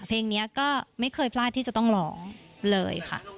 เพลงนี้ก็ไม่เคยพลาดที่จะต้องร้องเลยค่ะ